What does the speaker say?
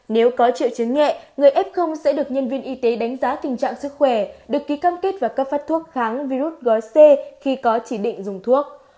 nếu có triệu chứng nhẹ người f sẽ được nhân viên y tế đánh giá tình trạng sức khỏe được ký cam kết và cấp phát thuốc kháng virus gói c khi có chỉ định dùng thuốc